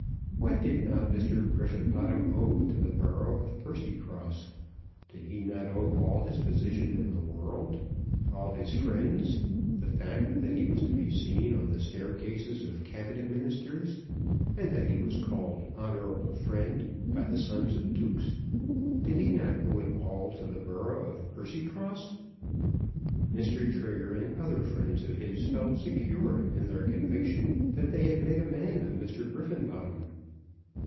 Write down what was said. What did not Mr. Griffenbottom owe to the borough of Percycross? Did he not owe all his position in the world, all his friends, the fact that he was to be seen on the staircases of Cabinet Ministers, and that he was called "honourable friend" by the sons of dukes, did he not owe it all to the borough of Percycross? Mr. Trigger and other friends of his, felt secure in their conviction that they had made a man of Mr. Griffenbottom.